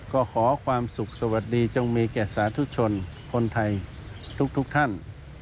ก็ขอความสุขสวัสดีจงมีแก่สาธุชนคนไทยทุกท่าน